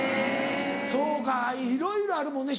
そうかいろいろあるもんね